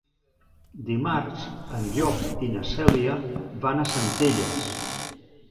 Dimarts en Llop i na Cèlia van a Centelles.